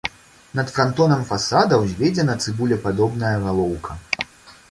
Над франтонам фасада ўзведзена цыбулепадобная галоўка.